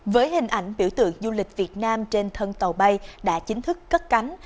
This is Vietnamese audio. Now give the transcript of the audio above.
với hình ảnh biểu tượng du lịch việt nam trên thân tàu bay đã chính thức cất cánh